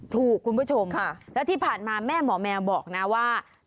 คุณผู้ชมแล้วที่ผ่านมาแม่หมอแมวบอกนะว่า